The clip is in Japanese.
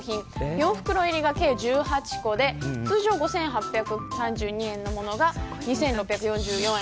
４袋入り計１８個で５８３２円のものが２６４４円。